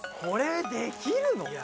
これできるの？